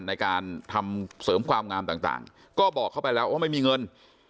ในการทำเสริมความงามต่างก็บอกเขาไปแล้วว่าไม่มีเงิน